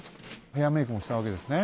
ヘアメークもしたわけですね。